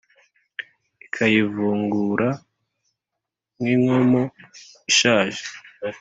Ikayivungura nk’inkomo ishaje